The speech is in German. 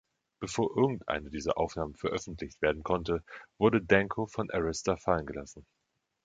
Bevor irgendeine dieser Aufnahmen veröffentlicht werden konnte, wurde Danko von Arista fallengelassen.